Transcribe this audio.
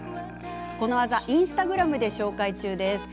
この技、インスタグラムで紹介中。